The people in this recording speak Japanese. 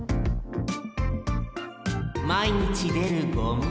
まいにちでるゴミ。